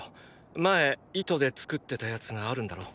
前糸で作ってたやつがあるんだろ？